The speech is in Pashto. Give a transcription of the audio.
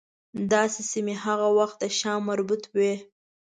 دا سیمې هغه وخت د شام مربوط وې.